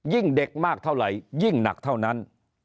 เด็กมากเท่าไหร่ยิ่งหนักเท่านั้น